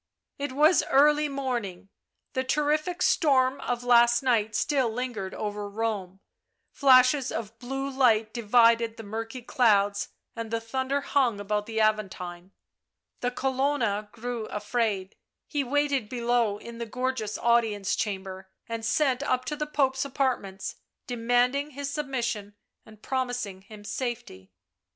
It was early morning ; the terrific storm of last night still lingered over Rome ; flashes of blue light divided the murky clouds and the thunder hung about the Aventine ; the Colonna grew afraid ; he waited below in the gorgeous audience chamber and sent up to the Pope's apartments, demanding his submission and promising him safety.